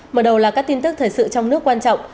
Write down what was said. mở đầu là các tin tức thời sự trong nước quan trọng